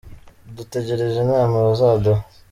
dutegereje inama bazaduha”.